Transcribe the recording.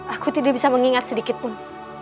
aku tidak bisa mengingat sedikitpun